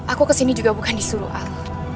aku kesini juga bukan disuruh al